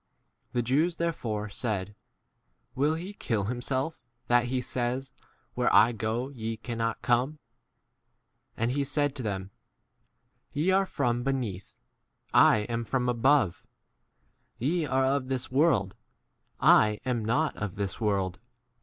2 The Jews therefore said, Will he kill himself, that he says, Where 3 1 ■ go ye " cannot come ? And he said to them, Ye* are from? be neath ; I " am from s above. Ye * are of this world ; I * am not of this 1 world.